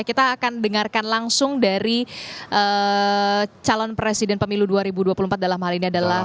kita akan dengarkan langsung dari calon presiden pemilu dua ribu dua puluh empat dalam hal ini adalah